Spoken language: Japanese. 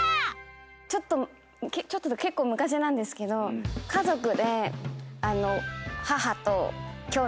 ちょっと結構昔なんですけど家族で。